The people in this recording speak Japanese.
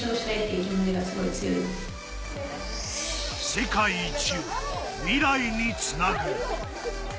世界一を未来につなぐ。